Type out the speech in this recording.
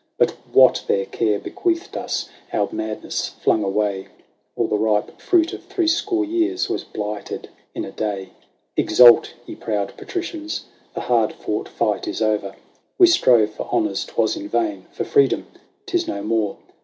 But what their care bequeathed us our madness flung away : All the ripe fruit of threescore years was blighted in a day. Exult, ye proud Patricians ! The hard fought fight is o'er. We strove for honours — 'twas in vain : for freedom — 'tis no more.